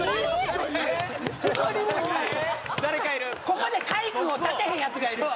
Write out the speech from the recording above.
ここでカイくんを立てへんやつがいる！